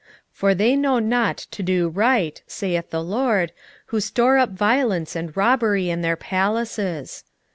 3:10 For they know not to do right, saith the LORD, who store up violence and robbery in their palaces.